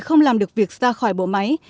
không làm được việc ra khỏi bộ máy